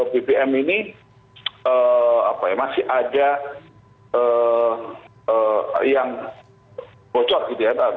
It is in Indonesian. bbm ini masih ada yang bocor